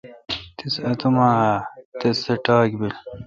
تے اتو ما اے° تس تہ ٹاک بیل۔